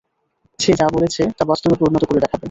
সে যা বলেছে তা বাস্তবে পরিণত করে দেখাবে।